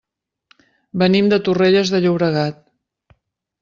Venim de Torrelles de Llobregat.